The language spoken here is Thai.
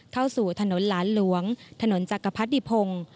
เข้าสู่ถนนหลานหลวงถนนจักรพรรดิพงศ์